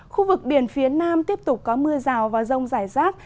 khu vực biển phía nam tiếp tục có mưa rào và rông rải rác